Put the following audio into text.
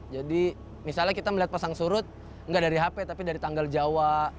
jadi misalnya kita melihat pasang surut nggak dari hp tapi dari tanggal jawa